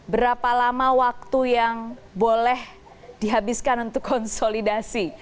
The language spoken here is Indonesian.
berapa lama waktu yang boleh dihabiskan untuk konsolidasi